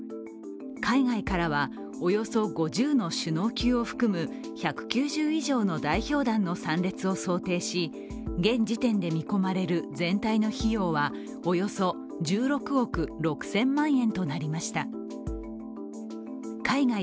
海外からは、およそ５０の首脳級を含む、１９０以上の代表団の参列を想定し現時点で見込まれる全体の費用は、およそ１６億６０００万円となりました。